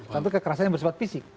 tapi kekerasan yang bersifat fisik